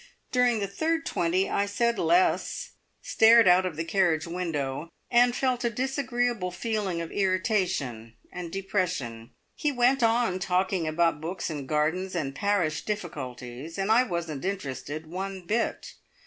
During the third twenty I said less, stared out of the carriage window, and felt a disagreeable feeling of irritation and depression. He went on talking about books and gardens and parish difficulties, and I wasn't interested one bit.